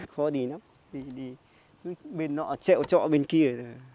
khó đi lắm đi bên nọ chẹo trọ bên kia